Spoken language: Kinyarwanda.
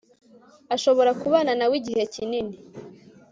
ashobora kubana na we igihe kinini